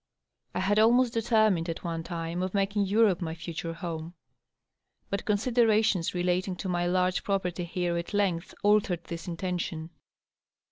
I had almost determined, at one time, on making Europe my future home. But considerations relating to my large property here at length altered this intention.